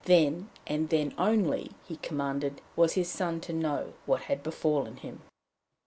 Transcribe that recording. Then, and then only, he commanded, was his son to know what had befallen him.